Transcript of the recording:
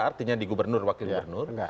artinya di gubernur wakil gubernur